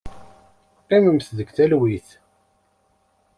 Qqimemt deg talwit.